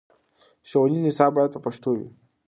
ښوونیز نصاب باید په پښتو وي.